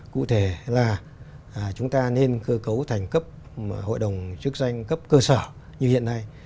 cụ thể là chúng ta nên cơ cấu thành cấp hội đồng chức danh cấp cơ sở như hiện nay